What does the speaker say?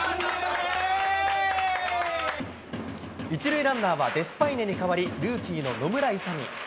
１塁ランナーはデスパイネに代わり、ルーキーの野村勇。